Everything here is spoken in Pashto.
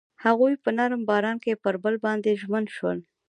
هغوی په نرم باران کې پر بل باندې ژمن شول.